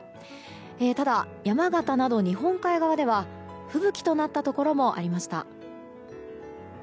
ただ、山形など日本海側では吹雪となったところもありました。